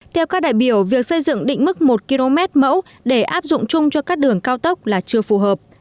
theo các đại biểu việc xây dựng định mức một km mẫu để áp dụng chung cho các đường cao tốc là chưa phù hợp